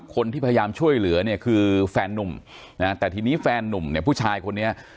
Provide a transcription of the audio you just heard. คนที่พยายามช่วยเหลือเนี่ยคือแฟนนุ่มนะแต่ทีนี้แฟนนุ่มเนี่ยผู้ชายคนนี้